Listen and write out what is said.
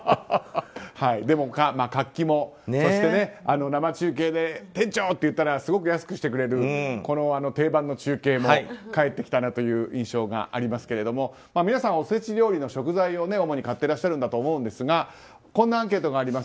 でも活気も、そして生中継で店長！って言ったらすごく安くしてくれるこの定番の中継も帰ってきたなという印象がありますが皆さん、おせち料理の食材を主に買ってらっしゃるんだと思いますがこんなアンケートがあります。